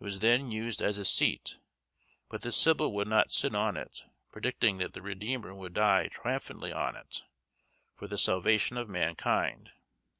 It was then used as a seat, but the Sybil would not sit on it, predicting that the Redeemer would die triumphantly on it, for the salvation of mankind.